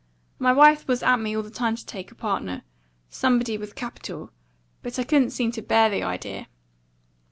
My wife was at me all the time to take a partner somebody with capital; but I couldn't seem to bear the idea.